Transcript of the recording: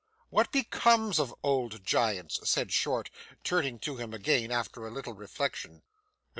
'What becomes of old giants?' said Short, turning to him again after a little reflection.